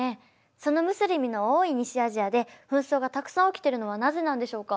そのムスリムの多い西アジアで紛争がたくさん起きているのはなぜなんでしょうか？